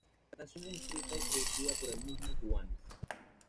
La canción es escrita y producida por el mismo Juanes.